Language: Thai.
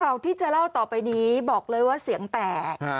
ข่าวที่จะเล่าต่อไปนี้บอกเลยว่าเสียงแตก